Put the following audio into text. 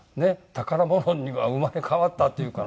宝物に生まれ変わったっていうかな？